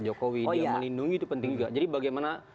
jokowi dia melindungi itu penting juga jadi bagaimana